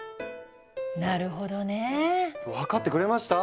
なるほどね。分かってくれました？